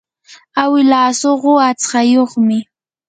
awilaa suqu aqtsayuqmi.